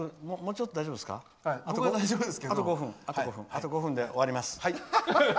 あと５分で終わります。